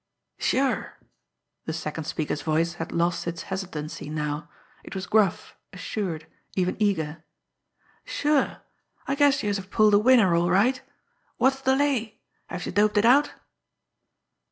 "Sure!" The second speaker's voice had lost its hesitancy now; it was gruff, assured, even eager. "Sure! I guess youse have pulled a winner, all right! Wot's de lay? Have youse doped it out?"